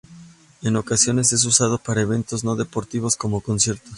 En ocasiones, es usado para eventos no deportivos como conciertos.